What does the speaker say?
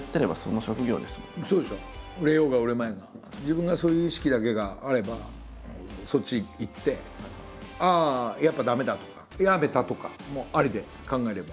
売れようが売れまいが自分がそういう意識だけがあればそっち行って「ああやっぱ駄目だ」とか「やめた」とかもありで考えれば。